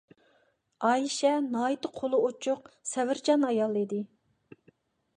ئائىشە ناھايىتى قولى ئوچۇق، سەۋرچان ئايال ئىدى.